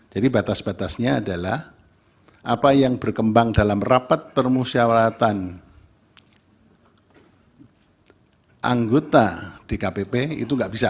jadi batas batasnya adalah apa yang berkembang dalam rapat permusyaratan anggota dkpp itu tidak bisa